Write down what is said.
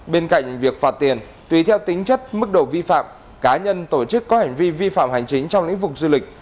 bên cạnh việc phạt tiền tùy theo tính chất mức độ vi phạm cá nhân tổ chức có hành vi vi phạm hành chính trong lĩnh vực du lịch